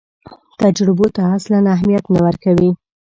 تجربو ته اصلاً اهمیت نه ورکوي.